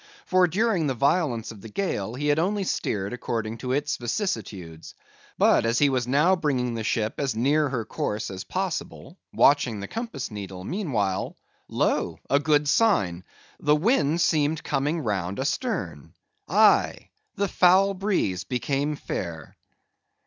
For during the violence of the gale, he had only steered according to its vicissitudes. But as he was now bringing the ship as near her course as possible, watching the compass meanwhile, lo! a good sign! the wind seemed coming round astern; aye, the foul breeze became fair!